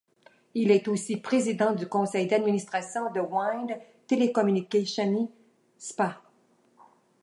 Il est aussi président du conseil d'administration de Wind Telecomunicazioni SpA.